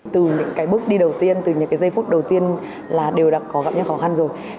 từ những cái bước đi đầu tiên từ những cái giây phút đầu tiên là đều đã có gặp những khó khăn rồi